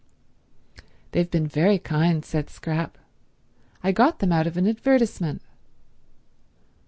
"They've been very kind," said Scrap. "I got them out of an advertisement."